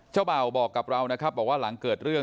เบาบอกกับเรานะครับบอกว่าหลังเกิดเรื่อง